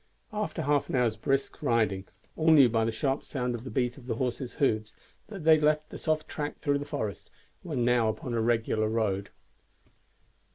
After half an hour's brisk riding all knew by the sharp sound of the beat of the horses' hoofs that they had left the soft track through the forest and were now upon a regular road.